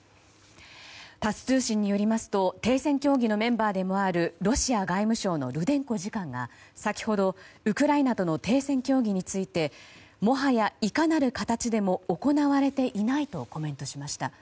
タス通信によりますと停戦協議のメンバーでもあるロシア外務省のルデンコ次官が先ほどウクライナとの停戦協議についてもはや、いかなる形でも行われていないとコメントしました。